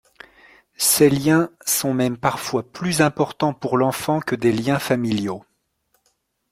Ces liens sont même parfois plus importants pour l’enfant que des liens familiaux.